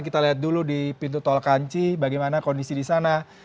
kita lihat dulu di pintu tol kanci bagaimana kondisi di sana